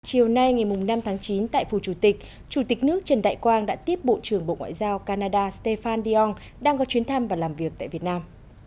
chiều nay ngày năm tháng chín tại phủ chủ tịch chủ tịch nước trần đại quang đã tiếp bộ trưởng bộ ngoại giao canada stefan diong đang có chuyến thăm và làm việc tại việt nam